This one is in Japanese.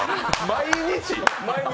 毎日？